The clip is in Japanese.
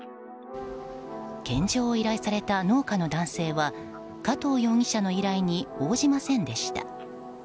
献上を依頼された農家の男性は加藤容疑者の依頼に応じませんでした。